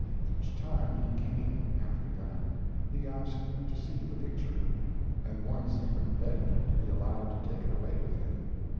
Each time he came, after that, he asked to see the picture, and once even begged to be allowed to take it away with him.